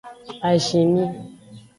Azinmi.